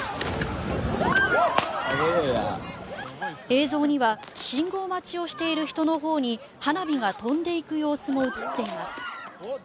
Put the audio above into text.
映像には信号待ちをしている人のほうに花火が飛んでいく様子も映っています。